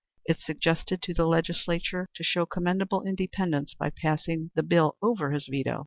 It suggested to the Legislature to show commendable independence by passing the bill over his veto.